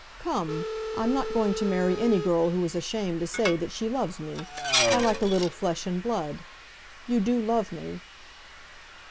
"Come; I'm not going to marry any girl who is ashamed to say that she loves me. I like a little flesh and blood. You do love me?"